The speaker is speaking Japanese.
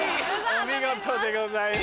お見事でございます。